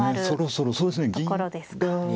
そろそろそうですね。